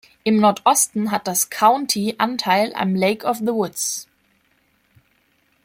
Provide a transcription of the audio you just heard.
Im Nordosten hat das County Anteil am Lake of the Woods.